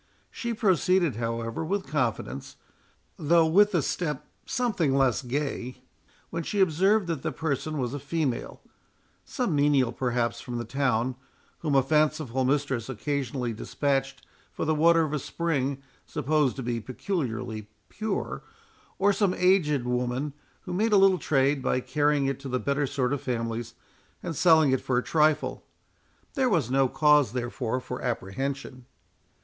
She proceeded, however, with confidence, though with a step something less gay, when she observed that the person was a female; some menial perhaps from the town, whom a fanciful mistress occasionally dispatched for the water of a spring, supposed to be peculiarly pure, or some aged woman, who made a little trade by carrying it to the better sort of families, and selling it for a trifle. There was no cause, therefore, for apprehension.